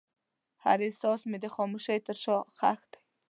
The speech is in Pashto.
هر احساس مې د خاموشۍ تر شا ښخ دی.